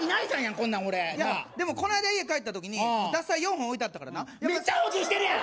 こんなん俺でもこの間家帰った時に獺祭４本置いてあったからなメッチャ補充してるやん！